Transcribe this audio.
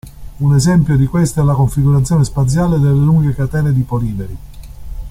Un esempio di questo è la configurazione spaziale delle lunghe catene di polimeri.